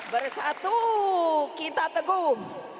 bersatu kita tegum